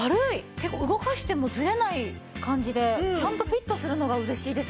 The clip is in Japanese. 結構動かしてもずれない感じでちゃんとフィットするのが嬉しいですね。